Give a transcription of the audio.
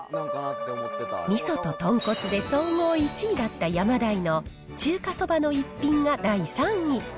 みそと豚骨で総合１位だったヤマダイの中華そばの逸品が第３位。